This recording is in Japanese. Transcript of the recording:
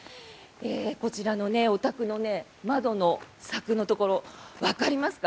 こちらのお宅の窓の柵のところわかりますか？